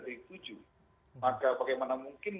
tiri kuju maka bagaimana mungkin